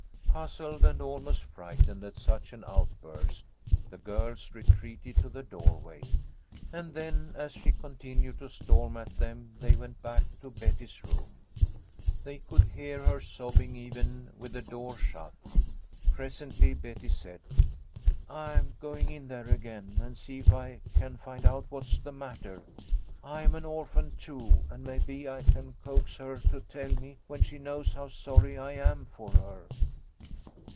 Puzzled and almost frightened at such an out burst, the girls retreated to the doorway, and then as she continued to storm at them they went back to Betty's room. They could hear her sobbing even with the door shut. Presently Betty said :" I'm going in there again, and see if I can find out what's the matter. I am an orphan, too, and maybe I can coax her to tell me, when she knows how sorry I am for her."